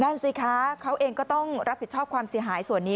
นั่นสิคะเขาเองก็ต้องรับผิดชอบความเสียหายส่วนนี้